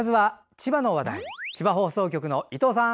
千葉放送局の伊藤さん！